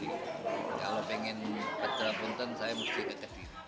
kalau ingin pecel punten saya mesti ke kediri